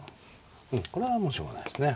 これはもうしょうがないですね。